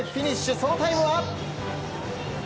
そのタイムは。